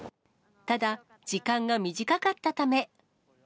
ただ、時間が短かったため。